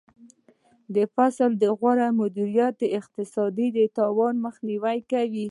د فصل غوره مدیریت د اقتصادي تاوان مخنیوی کوي.